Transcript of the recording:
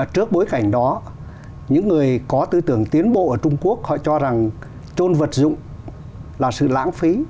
trước bối cảnh đó những người có tư tưởng tiến bộ ở trung quốc họ cho rằng trôn vật dụng là sự lãng phí